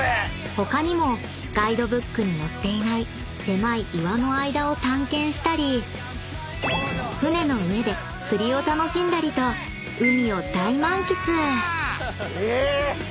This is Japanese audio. ［他にもガイドブックに載っていない狭い岩の間を探検したり船の上で釣りを楽しんだりと海を大満喫！］